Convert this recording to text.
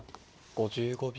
５５秒。